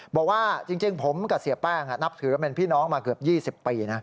บอกว่าจริงผมกับเสียแป้งนับถือเป็นพี่น้องมาเกือบ๒๐ปีนะ